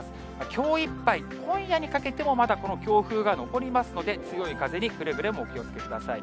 きょういっぱい、今夜にかけてもまだこの強風が残りますので、強い風にくれぐれもお気をつけください。